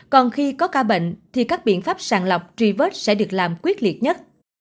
còn khi có ca bệnh thì các biện pháp sàng lọc truy vết sẽ được làm quyết liệt nhất